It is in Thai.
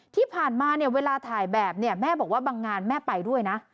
ที่ผ่านมาเนี่ยเวลาถ่ายแบบเนี่ยแม่บอกว่าบางงานแม่ไปด้วยนะ